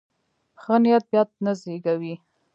ښه نیت بد نه زېږوي.